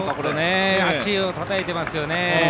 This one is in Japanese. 足をたたいていますよね。